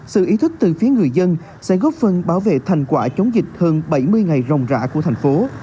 sự ý thức từ phía người dân sẽ góp phần bảo vệ thành quả chống dịch hơn bảy mươi ngày rồng rã của thành phố